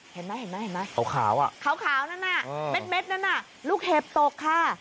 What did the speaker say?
เห็นไหมเขาขาวนั่นน่ะเม็ดนั่นน่ะลูกเห็บตกค่ะ